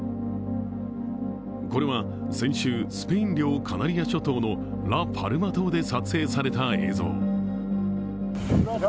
これは先週、スペイン領カナリア諸島のラ・パルマ島で撮影された映像。